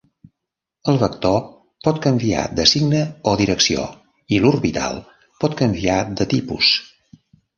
El vector pot canviar de signe o direcció, i l'orbital pot canviar de tipus.